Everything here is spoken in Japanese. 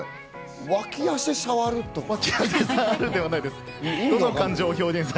脇汗、触るではないです。